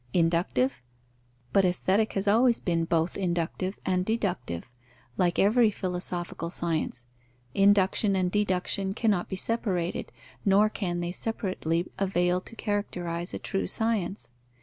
Inductive? But Aesthetic has always been both inductive and deductive, like every philosophical science; induction and deduction cannot be separated, nor can they separately avail to characterize a true science.